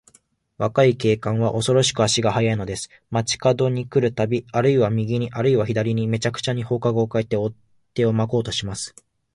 若い警官は、おそろしく足が早いのです。町かどに来るたび、あるいは右に、あるいは左に、めちゃくちゃに方角をかえて、追っ手をまこうとします。